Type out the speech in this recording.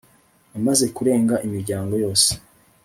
amaze kurenga imiryango yose,